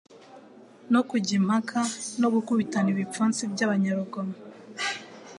no kujya impaka no gukubitana ibipfunsi by'abanyarugomo."